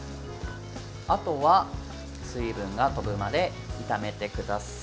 あとは水分が飛ぶまで炒めてください。